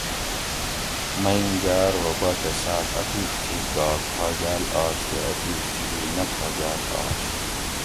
مئیم جاۤ ارو باچہ صاۤب اۤ پِیڛ تھی گھا کھاگاۤل آش تے اۤ پِیڛ تھی ای نہ کھاگاۤل آش